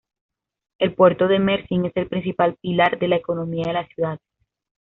El puerto de Mersin es el principal pilar de la economía de la ciudad.